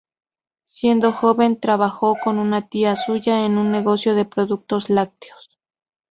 Siendo joven trabajó con una tía suya en un negocio de productos lácteos.